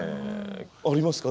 ありますか？